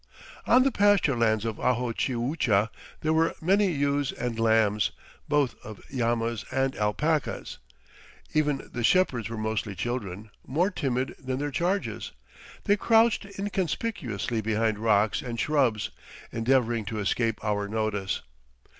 On the pasture lands of Ajochiucha there were many ewes and lambs, both of llamas and alpacas. Even the shepherds were mostly children, more timid than their charges. They crouched inconspicuously behind rocks and shrubs, endeavoring to escape our notice.